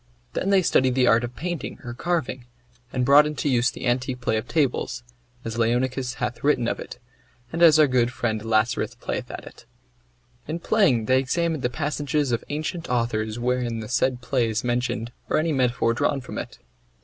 Then they studied the art of painting or carving; or brought into use the antique play of tables, as Leonicus hath written of it, and as our good friend Lascaris playeth at it. In playing they examined the passages of ancient authors wherein the said play is mentioned or any metaphor drawn from it.